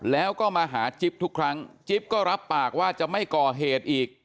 แล้วก็มาหาจิ๊บทุกครั้งจิ๊บก็รับปากว่าจะไม่ก่อเหตุอีก